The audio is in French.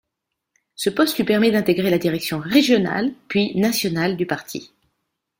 Ce poste lui permet d'intégrer la direction régionale puis nationale du parti.